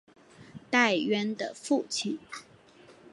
戴渊的父亲。